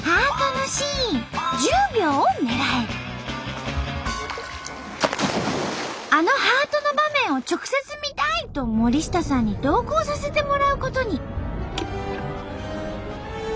１つ目はあのハートの場面を直接見たい！と森下さんに同行させてもらうことに。